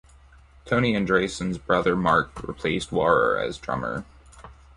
Tony Andreason's brother Mark replaced Wahrer as drummer.